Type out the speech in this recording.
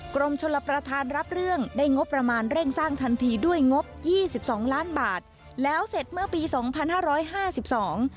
กรมชลประธานรับเรื่องได้งบประมาณเร่งสร้างทันทีด้วยงบยี่สิบสองล้านบาทแล้วเสร็จเมื่อปีสองพันห้าร้อยห้าสิบสอง